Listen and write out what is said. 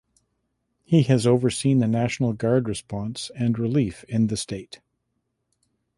He has overseen the national guard response and relief in the state.